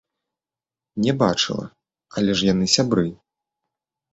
Не бачыла, але ж яны сябры.